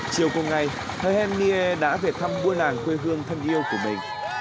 chiều cuối ngày hồ hèn nghê đã về thăm buôn làng quê hương thân yêu của mình